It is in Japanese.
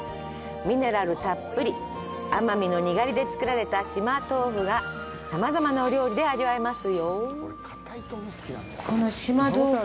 ミネラルたっぷり、奄美のにがりで作られた「島とうふ」がさまざまなお料理で味わえます。